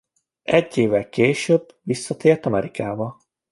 Egy évvel később visszatért Amerikába.